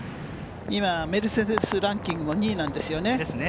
今、メルセデスランキングも２位なんですよね。